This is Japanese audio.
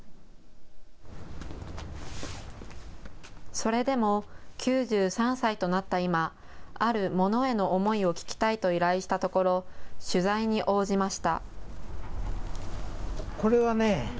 それでも９３歳となった今、ある物への思いを聞きたいと依頼したところ取材に応じました。